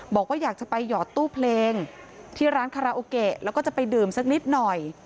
บอกว่าอยากจะไปหยอดตู้เพลงที่ร้านคาราโอเกะแล้วก็จะไปดื่มสักนิดหน่อย